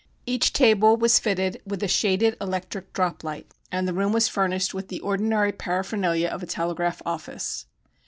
Each table was fitted with a shaded electric drop light, and the room was furnished with the ordinary paraphernalia of a telegraph office.